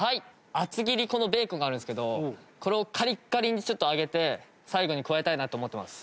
厚切りベーコンがあるんですけどこれをカリッカリにちょっと揚げて最後に加えたいなと思っています。